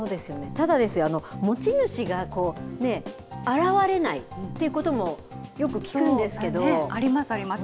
ただですよ、持ち主がね、現れないということも、よく聞くんですあります、あります。